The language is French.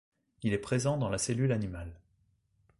Il est présent dans la cellule animale.